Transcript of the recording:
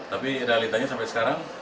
tapi realitanya sampai sekarang